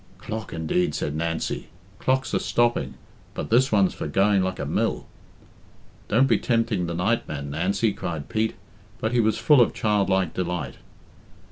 "Clock, indeed," said Nancy; "clocks are stopping, but this one's for going like a mill." "Don't be tempting the Nightman, Nancy," cried Pete; but he was full of childlike delight.